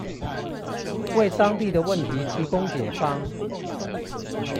為當地的問題提供解方